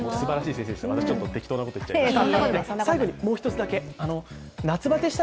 私、ちょっと適当なこと言っちゃいました。